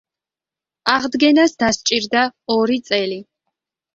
აღდგენას დასჭირდა ორი წელი.